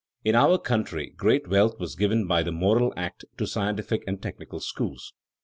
In our country great wealth was given by the Morrill Act to scientific and technical schools.